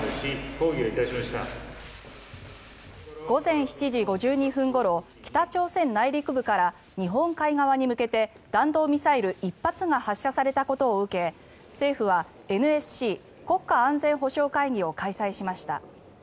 午前７時５２分ごろ北朝鮮内陸部から日本海側に向けて弾道ミサイル１発が発射されたことを受け政府はＮＳＣ・国家安全保障会議を開催しました。